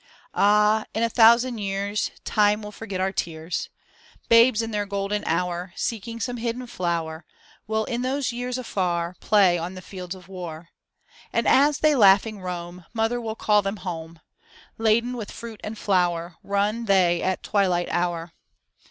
Ah! in a thousand years Time will forget our tears. THE SAD YEAJtS AN OLD PROVERB (Ctmtiimed) Babes in their golden himr Seeking some hidden flower WiU, in those years afar, Play on the fields of war; And as they lau^^iing roam Mothers will call them home ; Laden with fruit and flower Run they at twilight hour.